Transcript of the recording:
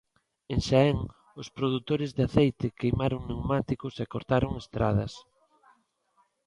En Xaén, os produtores de aceite queimaron pneumáticos e cortaron estradas.